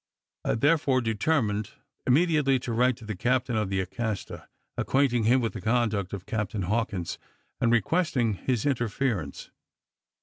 I therefore determined immediately to write to the captain of the Acasta, acquainting him with the conduct of Captain Hawkins, and requesting his interference.